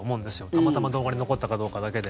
たまたま動画に残ったかどうかだけで。